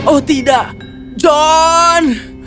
oh tidak jon